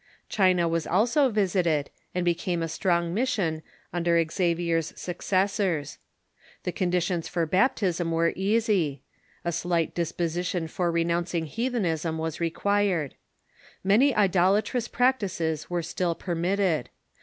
China was also visited, and became a strong mission, under Xavier's successors. The conditions for baptism were easy. A slight disposition for renouncing heathenism was required. Many idolatrous practices were still permitted.